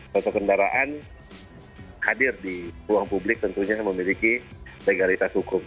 sosok kendaraan hadir di ruang publik tentunya memiliki legalitas hukum